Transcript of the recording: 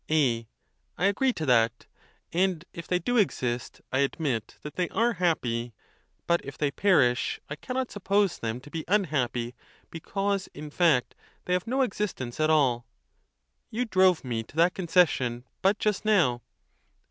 A. L agree to that. And if they do exist, I admit that they are happy; but if they perish, I cannot suppose them to be unhappy, because, in fact, they have no existence at all. You drove me to that concession but just now.